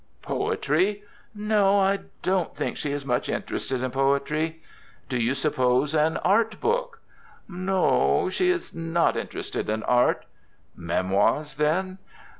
"Poetry?" "No, I don't think she is much interested in poetry." "Do you suppose an art book?" "No, she is not interested in art." "Memoirs, then?"